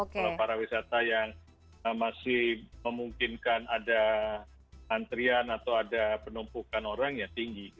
kalau para wisata yang masih memungkinkan ada antrian atau ada penumpukan orang ya tinggi